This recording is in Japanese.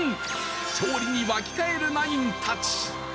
勝利に沸き返るナインたち。